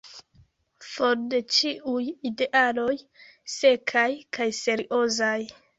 For de ĉiuj idealoj sekaj kaj seriozaj!"